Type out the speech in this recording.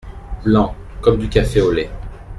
Blanc comme du café au lait !